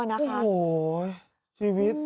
โอ้โหชีวิต